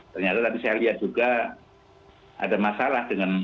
ternyata tadi saya lihat juga ada masalah dengan